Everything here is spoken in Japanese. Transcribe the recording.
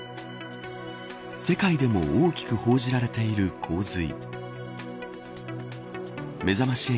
世界でも大きく報じられている洪水。